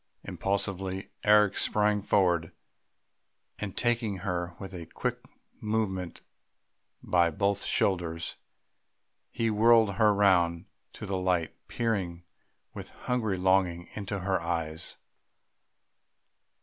Impulsively Eric sprang forward, and taking her with a quick movement by both shoulders, he whirled her round to the light, peering with a hungry longing into her eyes....